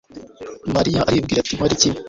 Mariya aribwira ati Nkore iki